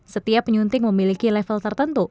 setiap penyunting memiliki level tertentu